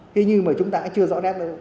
thế nhưng mà chúng ta chưa rõ nét đâu